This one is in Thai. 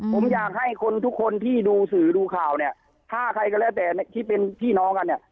ผมอยากให้คนทุกคนที่ดูสื่อดูข่าวเนี่ยถ้าใครก็แล้วแต่ที่เป็นพี่น้องกันเนี่ย